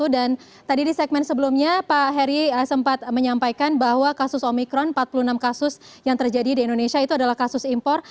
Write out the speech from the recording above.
dan tadi di segmen sebelumnya pak heri sempat menyampaikan bahwa kasus omikron empat puluh enam kasus yang terjadi di indonesia itu adalah kasus impor